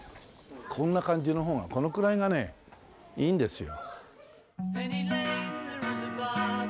こんな感じのほうがこのくらいがねいいんですよ。